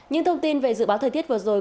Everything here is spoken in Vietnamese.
những thông tin về dự báo thời tiết vừa rồi